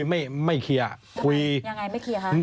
ยังไงไม่เคลียร์คะ